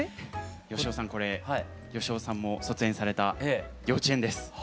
芳雄さんこれ芳雄さんも卒園された幼稚園です。